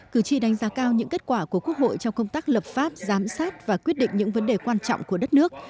cử tri đánh giá cao những kết quả của quốc hội trong công tác lập pháp giám sát và quyết định những vấn đề quan trọng của đất nước